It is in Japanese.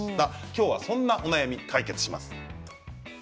今日はそんなお悩みを解決します。